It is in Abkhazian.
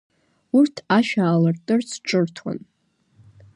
Урҭ ашә аалыртырц ҿырҭуан.